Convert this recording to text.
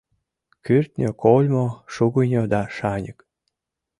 Кӱртньӧ кольмо, шугыньо да шаньык.